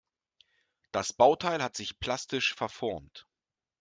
Das Bauteil hat sich plastisch verformt.